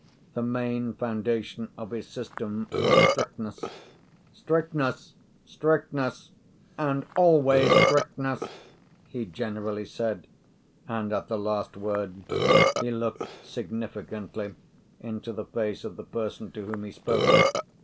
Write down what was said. The main foundation of his system was strictness. "Strictness, strictness, and always strictness!" he generally said; and at the last word he looked significantly into the face of the person to whom he spoke.